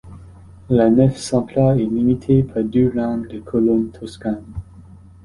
La nef centrale est limitées par deux rangs de colonnes toscanes.